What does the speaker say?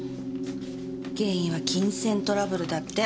原因は金銭トラブルだって。